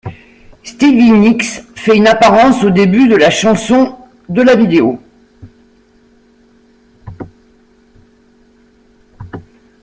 Stevie Nicks fait une apparence au début de la chanson de la vidéo.